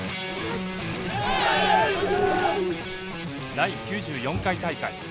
第９４回大会。